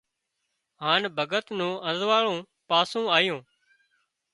هانَ ڀڳت نُون ازوئاۯون پاسُون آيون